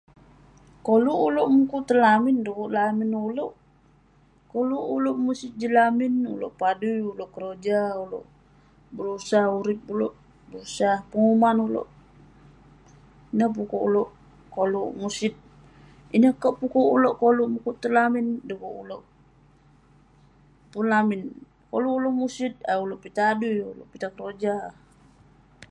Koluk ulouk mukuk tong lamin dekuk lamin ulouk. Koluk ulouk musit jin lamin, ulouk padui ulouk keroja. Ulouk berusah urip ulouk, ulouk berusah penguman ulouk. Ineh pukuk ulouk musit. Ineh kek pukuk ulouk mukuk tong lamin, dekuk ulouk pun lamin. Koluk ulouk musit, ayuk ulouk pitah adui pitah keroja.